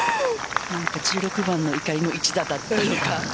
１６番の怒りの一打だったのか。